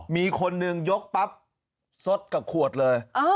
มีคนละยกปั๊บซดกับขวดเลย